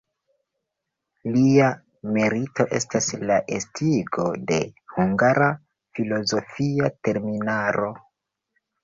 Lia merito estas la estigo de hungara filozofia terminaro.